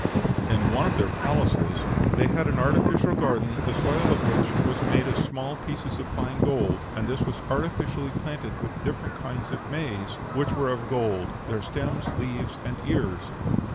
In one of their palaces "they had an artificial garden, the soil of which was made of small pieces of fine gold, and this was artificially planted with different kinds of maize, which were of gold, their stems, leaves, and ears.